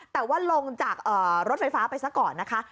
แต่ว่าลงจากรถไฟฟ้าไปซะก่อนนะคะ